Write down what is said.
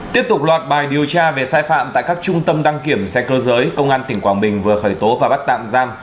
tiếp tục loạt bài điều tra về sai phạm tại các trung tâm đăng kiểm xe cơ giới công an tỉnh quảng bình vừa khởi tố và bắt tạm giam